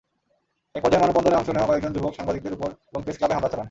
একপর্যায়ে মানববন্ধনে অংশ নেওয়া কয়েকজন যুবক সাংবাদিকদের ওপর এবং প্রেসক্লাবে হামলা চালান।